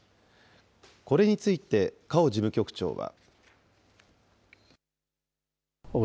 これについてカオ事務局長は。